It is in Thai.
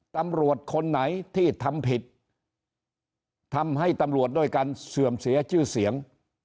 ตำรวจคนไหนที่ทำผิดทำให้ตำรวจด้วยกันเสื่อมเสียชื่อเสียง